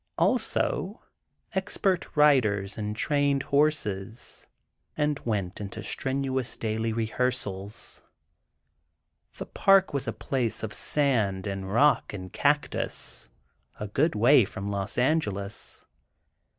Also, expert riders and trained horses, and went into strenuous daily rehearsal. The "Park" was a place of sand and rock and cactus, a good way from Los Angeles.